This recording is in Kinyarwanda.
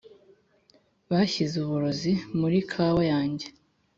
bashyize uburozi muri kawa yanjye